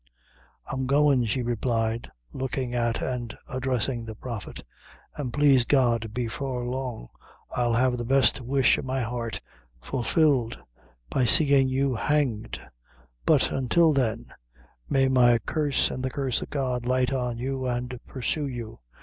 "I'm goin'," she replied, looking at, and addressing the Prophet; "an' plaise God, before long I'll have the best wish o' my heart fulfilled, by seein' you hanged; but, until then, may my curse, an' the curse o' God light on you and pursue you.